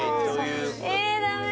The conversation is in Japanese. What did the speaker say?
ええダメ。